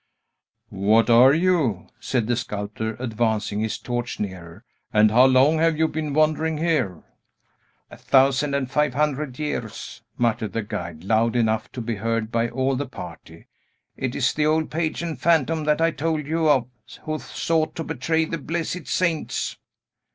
"What are you?" said the sculptor, advancing his torch nearer. "And how long have you been wandering here?" "A thousand and five hundred years!" muttered the guide, loud enough to be heard by all the party. "It is the old pagan phantom that I told you of, who sought to betray the blessed saints!"